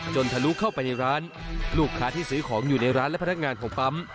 ทะลุเข้าไปในร้านลูกค้าที่ซื้อของอยู่ในร้านและพนักงานของปั๊ม